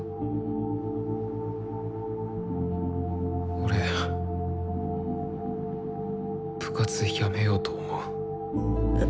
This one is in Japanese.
俺部活辞めようと思う。